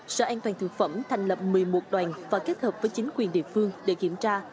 sở an toàn thực phẩm thành lập một mươi một đoàn và kết hợp với chính quyền địa phương để kiểm tra